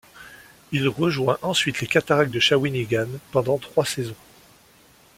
Il rejoint ensuite les Cataractes de Shawinigan pendant trois saisons.